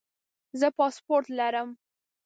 زه پاسپورټ لرم